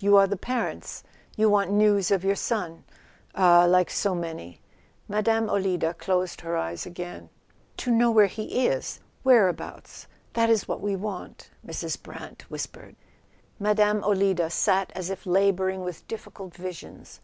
"You are the parents? You want news of your son —ah, like so many !" Mme. Olida closed her eyes again. "To know where he is—whereabouts—that is what we want," Mrs. Brant whispered. Mme. Olida sat as if labouring with difficult visions.